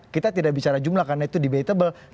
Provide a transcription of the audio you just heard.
kita tidak bicara jumlah karena itu debatable